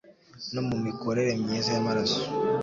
no mu mikorere myiza y'amaraso